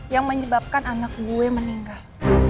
yang menyebabkan anak gue meninggal